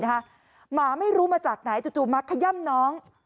หมาไม่รู้มาจากไหนจู่มาขย่ำน้อง